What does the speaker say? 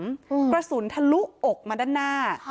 กระสุนทะลุอกมาด้านหน้า